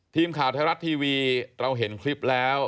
ทีมข่าวไทยรัฐทีวีเราเห็นคลิปแล้ว